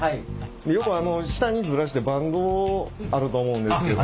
よく下にズラしてバンドあると思うんですけど。